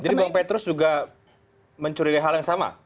jadi bang petrus juga mencurigai hal yang sama